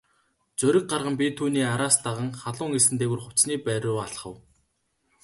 Зориг гарган би түүний араас даган халуун элсэн дээгүүр хувцасны байр руу алхав.